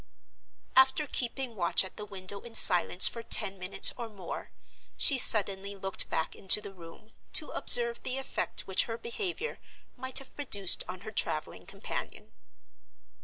After keeping watch at the window in silence for ten minutes or more, she suddenly looked back into the room, to observe the effect which her behavior might have produced on her traveling companion.